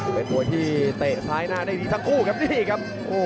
เป็นมวยที่เตะซ้ายหน้าได้ดีทั้งคู่ครับนี่ครับ